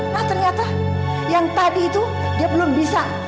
nah ternyata yang tadi itu dia belum bisa